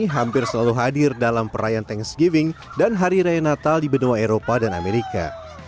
hampir selalu hadir dalam perayaan tank sgiving dan hari raya natal di benua eropa dan amerika